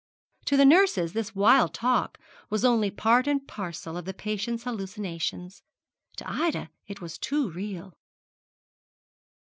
To the nurses this wild talk was only part and parcel of the patient's hallucinations; to Ida it was too real.